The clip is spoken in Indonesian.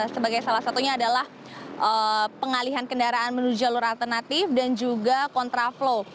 sebagai salah satunya adalah pengalihan kendaraan menuju jalur alternatif dan juga kontra flow